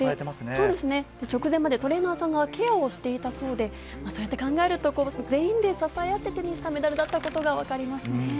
直前までトレーナーさんがケアをしていたそうで、全員で支えあって手にしたメダルだったことがわかりますね。